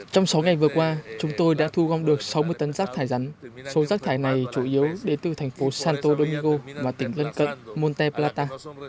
trong sáu ngày vừa qua chúng tôi đã thu gom được sáu mươi tấn rác thải rắn số rác thải này chủ yếu đến từ thành phố santo domingo và tỉnh lân cận monte plata